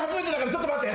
ちょっと待て。